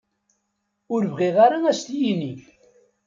Ur ibɣi ara ad as-t-yini.